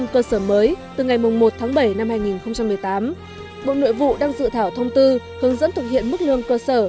cơ sở kinh doanh dịch vụ du lịch khác đạt tiêu chuẩn phục vụ khách du lịch